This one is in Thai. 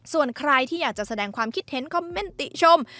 ส่วนใครที่อยากจะแสดงความคิดเห็นคอมเมนต์ติชม